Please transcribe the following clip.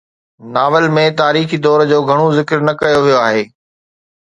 novel ۾ تاريخي دور جو گهڻو ذڪر نه ڪيو ويو آهي